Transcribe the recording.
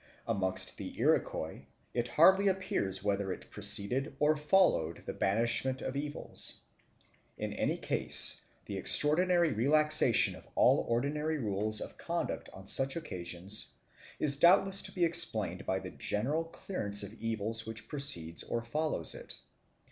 Amongst the Iroquois it hardly appears whether it preceded or followed the banishment of evils. In any case, the extraordinary relaxation of all ordinary rules of conduct on such occasions is doubtless to be explained by the general clearance of evils which precedes or follows it.